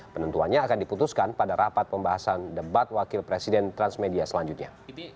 penentuannya akan diputuskan pada rapat pembahasan debat wakil presiden transmedia selanjutnya